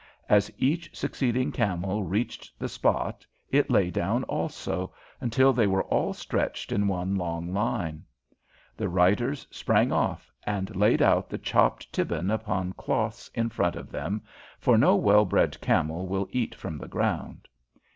As each succeeding camel reached the spot it lay down also, until they were all stretched in one long line. The riders sprang off, and laid out the chopped tibbin upon cloths in front of them, for no well bred camel will eat from the ground.